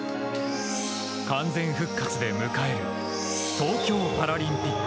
完全復活で迎える東京パラリンピック。